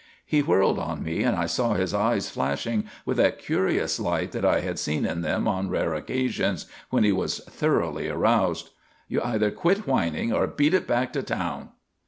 He whirled on me and I saw his eyes flashing with that curious light that I had seen in them on rare occasions when he was thoroughly aroused. "You either quit whining or beat it back to town."